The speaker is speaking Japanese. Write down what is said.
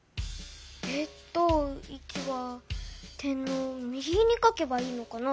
えっと１は点の右に書けばいいのかな？